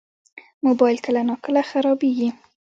موبایل کله ناکله خرابېږي.